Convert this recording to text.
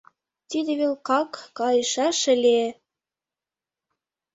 Тиде велкак кайышаш ыле...